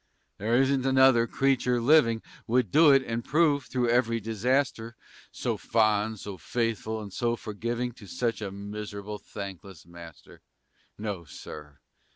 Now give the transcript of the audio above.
There isn't another creature living Would do it, and prove, through every disaster, So fond, so faithful, and so forgiving, To such a miserable, thankless master! No, Sir!